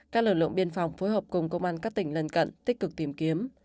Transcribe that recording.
các lực lượng biên phòng phối hợp cùng công an các tỉnh lân cận tích cực tìm kiếm